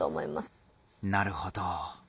なるほど。